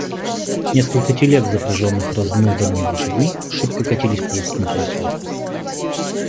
Несколько телег, запряженных разнузданными лошадьми, шибко катились по узкому проселку.